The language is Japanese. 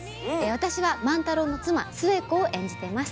私は万太郎の妻寿恵子を演じています。